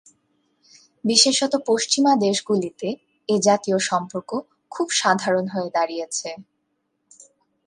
বিশেষত পশ্চিমা দেশগুলিতে এ জাতীয় সম্পর্ক খুব সাধারণ হয়ে দাঁড়িয়েছে।